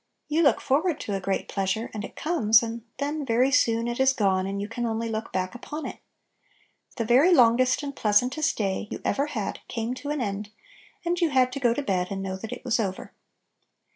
You look forward to a great pleas ure, and it comes, and then very soon it is gone, and you can only look back upon it. The very longest and pleas antest day you ever had came to an end, and you had to go to bed and know that it was over.